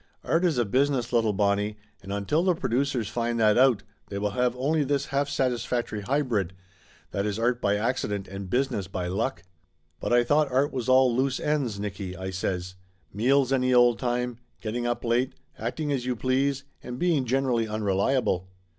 Art is a business, little Bonnie, and until the producers find that out they will have only this half satisfactory hybrid, that is art by accident and business by luck!" "But I thought art was all loose ends, Nicky," I says. "Meals any old time, getting up late, acting as you please, and being generally unreliable."